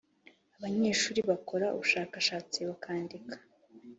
Abanyeshuri bakora ubushakashatsi, bakandika,